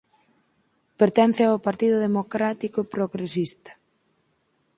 Pertence ao Partido Democrático Progresista.